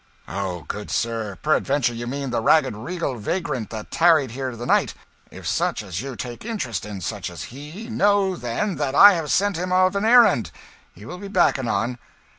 "O good sir, peradventure you mean the ragged regal vagrant that tarried here the night. If such as you take an interest in such as he, know, then, that I have sent him of an errand. He will be back anon."